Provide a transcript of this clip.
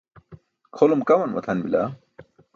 kʰolum kaman matʰan bila